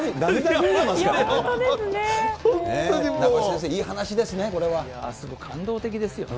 名越先生、いい話ですよね。